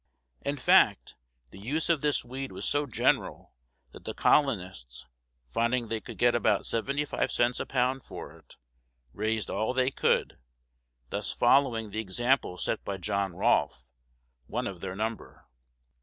In fact, the use of this weed was so general that the colonists, finding they could get about seventy five cents a pound for it, raised all they could, thus following the example set by John Rolfe, one of their number.